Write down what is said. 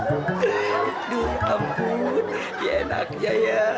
aduh ampun lagi enaknya ya